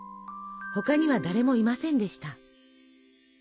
他には誰もいませんでした。